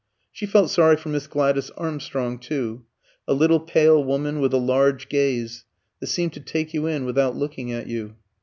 She felt sorry for Miss Gladys Armstrong too, a little pale woman with a large gaze that seemed to take you in without looking at you.